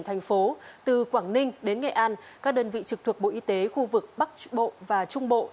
thành phố từ quảng ninh đến nghệ an các đơn vị trực thuộc bộ y tế khu vực bắc bộ và trung bộ